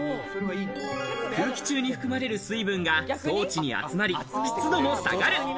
空気中に含まれる水分が装置に集まり、湿度も下がる。